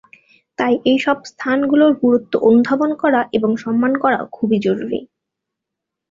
তাই এসব স্থানগুলোর গুরুত্ব অনুধাবন করা এবং সম্মান করাও খুবই জরুরী।